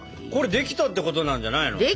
これできたってことなんじゃないの？